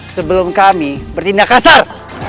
sebelum kami bertindak kasar